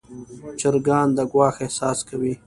چرګان د ګواښ احساس کوي.